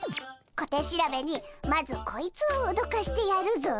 小手調べにまずこいつをおどかしてやるぞ！